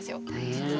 実は。